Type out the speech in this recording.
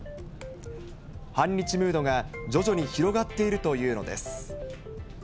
反日ムードが徐々に広がっているというのです。